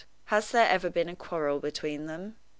Has there ever been a quarrel between them?"